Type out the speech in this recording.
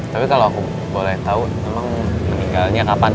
tapi kalau aku boleh tahu memang meninggalnya kapan